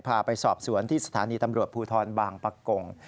พาไปสอบสวนที่สถานีตำรวจภูทรบางปะกง